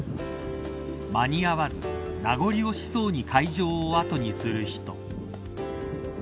間に合わず名残惜しそうに会場を後にする人。